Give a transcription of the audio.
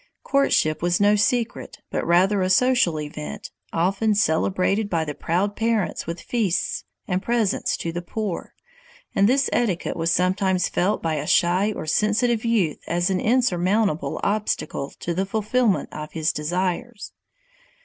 Courtship was no secret, but rather a social event, often celebrated by the proud parents with feasts and presents to the poor, and this etiquette was sometimes felt by a shy or sensitive youth as an insurmountable obstacle to the fulfilment of his desires.